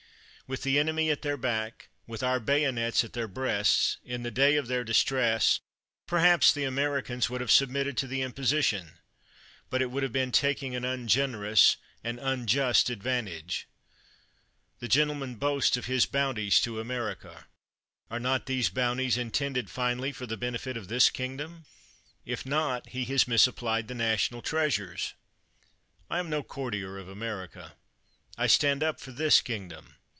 "With the enemy at their back, with our bayonets at their breasts, in the day of their distress, perhaps the Americans would have submitted to the imposition; but it would have been taking an ungenerous, an un just advantage. The gentleman boasts of his bounties to America ! Are not these bounties intended finally for the benefit of this kingdom? If not, he has misapplied the national treasures ! I am no courtier of America. I stand up for this kingdom.